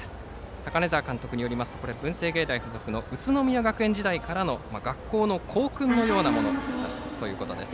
高根澤監督によりますと文星芸大付属の宇都宮学園時代からの校訓みたいなものだそうです。